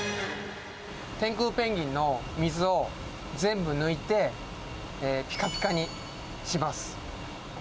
天空ペンギンの水を全部抜いて、ぴかぴかにします。